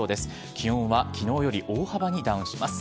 気温はきのうより大幅にダウンします。